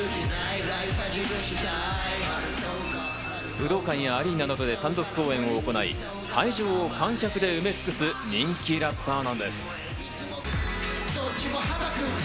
武道館やアリーナなどで単独公演を行い、会場を観客で埋め尽くす人気ラッパーなんです。